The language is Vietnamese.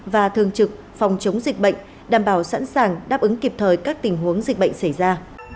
và thường trực phòng chống dịch bệnh đảm bảo sẵn sàng đáp ứng kịp thời các tình huống dịch bệnh xảy ra